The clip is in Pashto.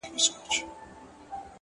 کابل ورانېږي! کندهار ژاړي! زابل ژاړي!